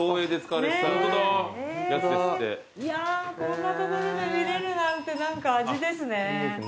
こんな所で見れるなんて何か味ですね。